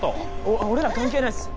あっ俺ら関係ないっす。